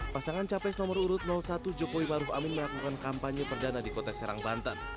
pasangan capres nomor urut satu jokowi maruf amin melakukan kampanye perdana di kota serang banten